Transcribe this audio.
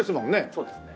そうですね。